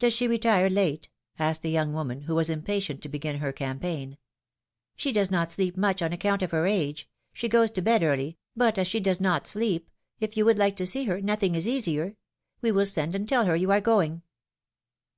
^^Does she retire late?" asked the young woman, who was impatient to begin her campaign. ^^She does not sleep much on account of her age; she goes to bed early, but as she does not sleep, if you would like to see her, nothing is easier ; we will send and tell her you are going."